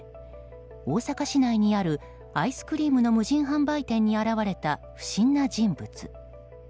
大阪市内にあるアイスクリームの無人販売店に現れた不審な人物。